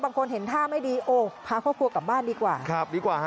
เห็นท่าไม่ดีโอ้พาครอบครัวกลับบ้านดีกว่าครับดีกว่าฮะ